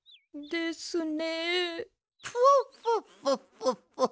ですね。